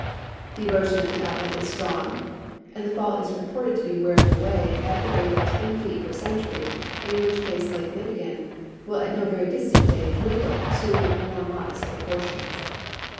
The erosion at the outlet is strong, and the fall is reported to be wearing away at the rate of 10 feet per century, in which case Lake Nipigon will at no very distant day dwindle to more mod est proportions.